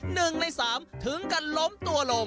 หนึ่งในสามถึงกันล้มตัวลง